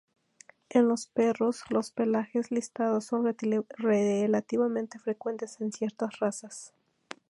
En los perros los pelajes listados son relativamente frecuentes en ciertas razas.